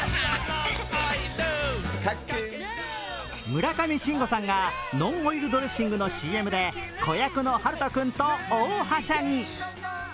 村上信五さんがノンオイルドレッシングのＣＭで子役のハルト君と大はしゃぎ。